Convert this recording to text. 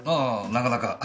なかなか。